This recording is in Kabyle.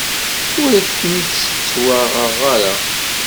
Ur ak-ten-settwaɣeɣ ara.